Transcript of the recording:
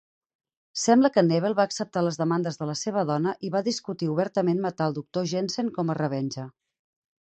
Sembla que Nebel va acceptar les demandes de la seva dona i va discutir obertament matar el doctor Jensen com a revenja.